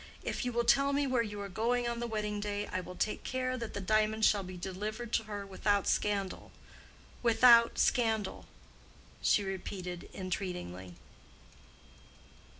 If you will tell me where you are going on the wedding day I will take care that the diamonds shall be delivered to her without scandal. Without scandal," she repeated entreatingly.